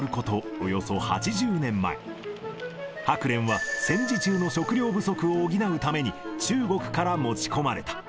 およそ８０年前、ハクレンは戦時中の食料不足を補うために、中国から持ち込まれた。